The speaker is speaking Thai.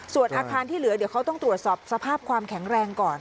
ส่วนอาคารที่เหลือเดี๋ยวเขาต้องตรวจสอบสภาพความแข็งแรงก่อน